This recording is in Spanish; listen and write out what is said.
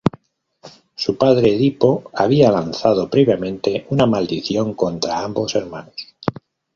Su padre Edipo había lanzado previamente una maldición contra ambos hermanos.